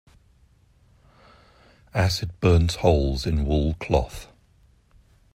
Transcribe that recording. Acid burns holes in wool cloth.